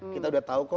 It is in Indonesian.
kita udah tau kok